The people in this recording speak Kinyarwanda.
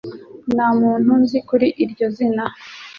Nta muntu nzi kuri iryo zina